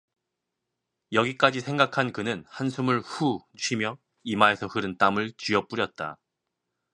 여기까지 생각한 그는 한숨을 후 쉬며 이마에서 흐른 땀을 쥐어 뿌렸다.